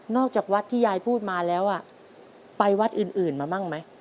จากวัดที่ยายพูดมาแล้วไปวัดอื่นมาบ้างไหม